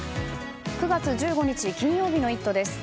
９月１５日、金曜日の「イット！」です。